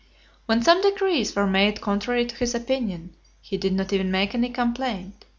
XXXI. When some decrees were made contrary to his opinion, he did not even make any complaint.